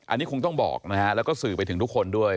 อันนี้คงต้องบอกนะฮะแล้วก็สื่อไปถึงทุกคนด้วย